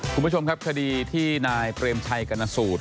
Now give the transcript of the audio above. คุณผู้ชมครับคดีที่นายเปรมชัยกรณสูตร